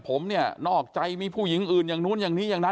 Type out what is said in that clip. ผมเนี่ยนอกใจมีผู้หญิงอื่นอย่างนู้นอย่างนี้อย่างนั้น